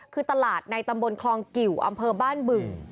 คือตลาดในตำบลคลองกิวอำเภอบ้านบึง